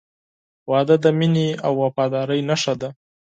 • واده د مینې او وفادارۍ نښه ده.